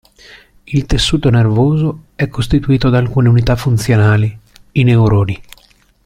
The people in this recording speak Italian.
Il tessuto nervoso è costituito da alcune unità funzionali: i neuroni.